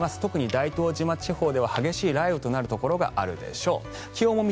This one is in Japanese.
大東島では激しい雷雨となるところもあるでしょう。